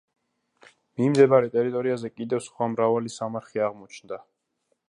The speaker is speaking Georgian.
მიმდებარე ტერიტორიაზე კიდევ სხვა მრავალი სამარხი აღმოჩნდა.